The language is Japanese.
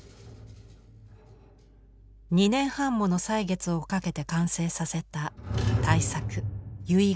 ２年半もの歳月をかけて完成させた大作「遺言」。